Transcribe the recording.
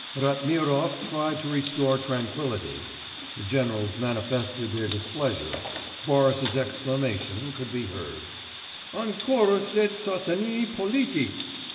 Ratmirov tried to restore tranquillity (the generals manifested their displeasure, Boris's exclamation could be heard, '_Encore cette satanée politique!